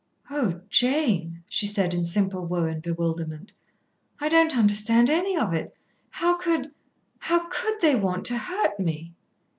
"Oh Jane!" she said in simple woe and bewilderment. "I don't understand any of it. How could how could they want to hurt me!"